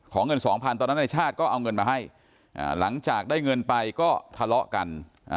เงินสองพันตอนนั้นในชาติก็เอาเงินมาให้หลังจากได้เงินไปก็ทะเลาะกัน